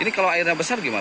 ini kalau airnya besar gimana